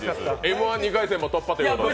「Ｍ−１」、２回戦も突破ということで。